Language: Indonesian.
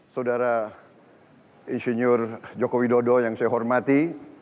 saudara insinyur joko widodo yang saya hormati